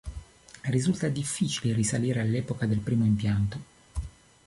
Risulta difficile risalire all'epoca del primo impianto.